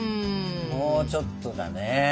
もうちょっとだね。